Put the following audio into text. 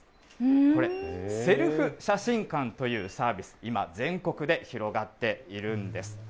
これ、セルフ写真館というサービス、いま全国で広がっているんです。